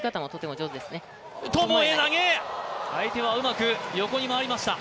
相手はうまく横に回りました。